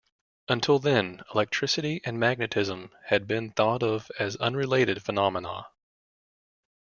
Until then, electricity and magnetism had been thought of as unrelated phenomena.